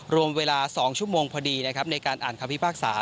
รวมเวลา๒ชั่วโมงพอดีนะครับในการอ่านคำพิพากษา